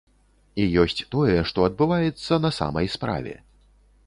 І ёсць тое, што адбываецца на самай справе.